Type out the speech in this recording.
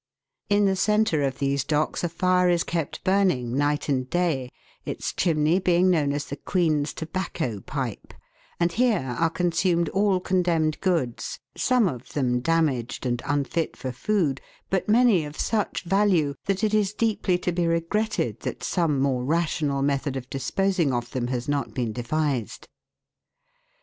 In the centre of these docks a fire is kept burning night and day, its chimney being known as the " Queen's tobacco pipe," and here are consumed all condemned goods, some of them damaged and unfit for food, but many of such value that it is deeply to be regretted that some more rational method of disposing of them has not been devised.